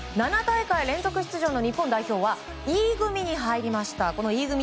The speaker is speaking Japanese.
７大会連続出場の日本代表はＥ組に入りました。